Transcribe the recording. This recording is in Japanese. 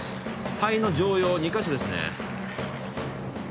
肺の上葉２カ所ですね